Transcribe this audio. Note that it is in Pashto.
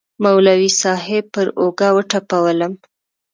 مولوي صاحب پر اوږه وټپولوم.